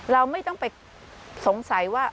เราไม่ต้องไปสงสัยว่า